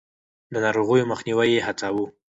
د ناروغيو مخنيوی يې هڅاوه.